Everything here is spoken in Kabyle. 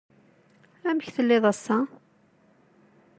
Amek tellid ass-a?